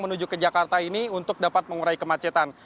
menuju ke jakarta ini untuk dapat mengurai kemacetan